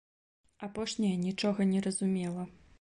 Апошняя нічога не разумела.